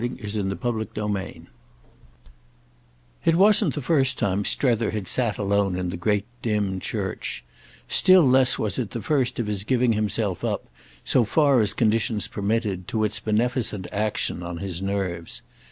Volume II Book Seventh I It wasn't the first time Strether had sat alone in the great dim church—still less was it the first of his giving himself up, so far as conditions permitted, to its beneficent action on his nerves.